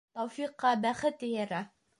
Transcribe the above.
Тәүфиҡҡа бәхет эйәрә.